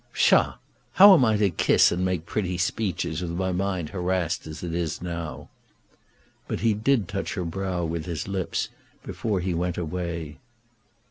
"Psha! How am I to kiss and make pretty speeches with my mind harassed as it is now?" But he did touch her brow with his lips before he went away.